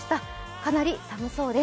かなり寒そうです。